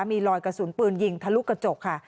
มีรอยกระสุนปืนยิงทะลุกระจกค่ะ